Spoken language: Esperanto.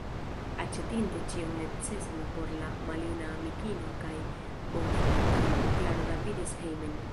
Aĉetinte ĉion necesan por la maljuna amikino kaj bonfarantino, Klaro rapidis hejmen.